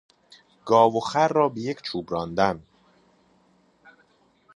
گاو و خر را بیک چوب راندن